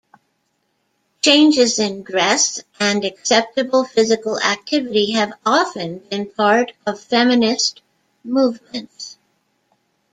Changes in dress and acceptable physical activity have often been part of feminist movements.